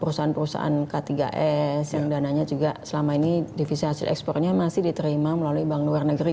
perusahaan perusahaan k tiga s yang dananya juga selama ini divisi hasil ekspornya masih diterima melalui bank luar negeri